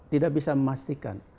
tidak bisa memastikan